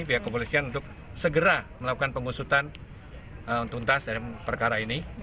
pihak kepolisian untuk segera melakukan pengusutan tuntas dalam perkara ini